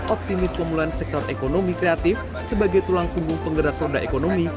optimis pemulihan sektor ekonomi kreatif sebagai tulang punggung penggerak roda ekonomi